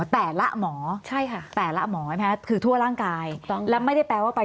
แต่ละหมอใช่ค่ะแต่ละหมอใช่ไหมคือทั่วร่างกายแล้วไม่ได้แปลว่าไป